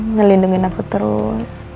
ngelindungin aku terus